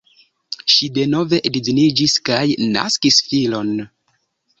Ŝi denove edziniĝis kaj naskis filon.